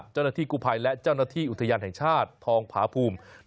กู้ภัยและเจ้าหน้าที่อุทยานแห่งชาติทองผาภูมิ